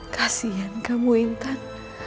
kasian kamu intan